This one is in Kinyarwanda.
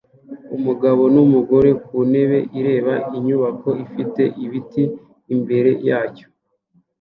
Umugabo numugore ku ntebe ireba inyubako ifite ibiti imbere yacyo